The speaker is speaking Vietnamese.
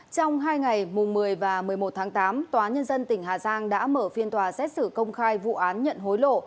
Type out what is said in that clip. trong hai ngày một mươi và một mươi một tháng tám tòa nhân dân tỉnh hà giang đã mở phiên tòa xét xử công khai vụ án nhận hối lộ